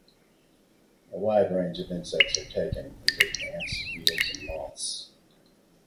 A wide range of insects are taken, including ants, beetles and moths.